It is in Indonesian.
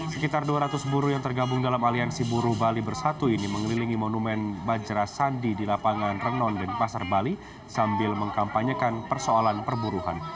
sekitar dua ratus buruh yang tergabung dalam aliansi buruh bali bersatu ini mengelilingi monumen bajra sandi di lapangan renon denpasar bali sambil mengkampanyekan persoalan perburuhan